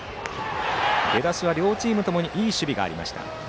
出だしは両チームともにいい守備がありました。